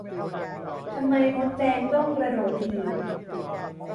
ทำไมมดแดงต้องกระโดดถีบ